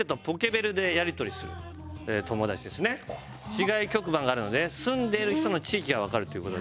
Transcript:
市外局番があるので住んでいる人の地域がわかるっていう事で。